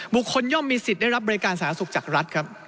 ย่อมมีสิทธิ์ได้รับบริการสาธารณสุขจากรัฐครับ